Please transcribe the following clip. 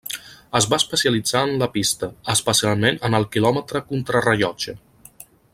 Es va especialitzar en la pista, especialment en el Quilòmetre contrarellotge.